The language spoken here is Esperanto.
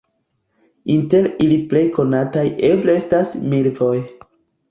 Inter ili plej konataj eble estas milvoj.